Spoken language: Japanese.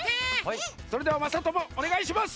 それではまさともおねがいします！